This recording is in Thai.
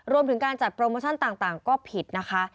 รวมถึงการจัดโปรโมชั่นต่างก็ผิดนะคะ